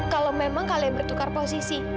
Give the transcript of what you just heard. kalau memang kalian bertukar posisi